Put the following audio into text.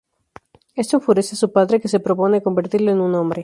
Esto enfurece a su padre que se propone convertirlo en un hombre.